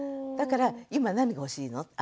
だから今何欲しいの？